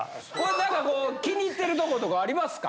何かこう気に入ってるとことかありますか？